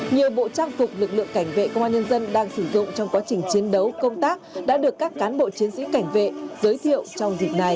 nhiều bộ trang phục lực lượng cảnh vệ công an nhân dân đang sử dụng trong quá trình chiến đấu công tác đã được các cán bộ chiến sĩ cảnh vệ giới thiệu trong dịp này